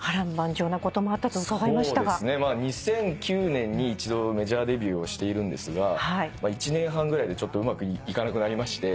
２００９年に一度メジャーデビューをしているんですが１年半ぐらいでうまくいかなくなりまして。